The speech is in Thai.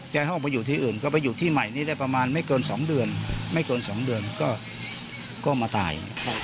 จะต้องไปอยู่ที่อื่นก็ไปอยู่ที่ใหม่นี้ได้ประมาณไม่เกิน๒เดือนไม่เกิน๒เดือนก็มาตาย